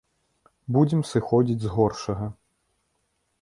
Будзем сыходзіць з горшага.